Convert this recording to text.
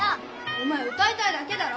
お前歌いたいだけだろ！